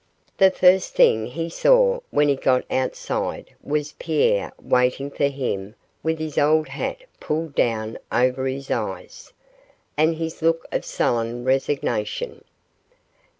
The first thing he saw when he got outside was Pierre waiting for him with his old hat pulled down over his eyes, and his look of sullen resignation.